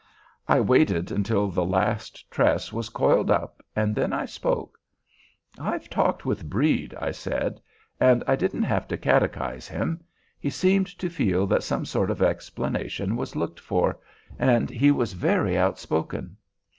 I waited until the last tress was coiled up, and then I spoke: "I've talked with Brede," I said, "and I didn't have to catechize him. He seemed to feel that some sort of explanation was looked for, and he was very outspoken.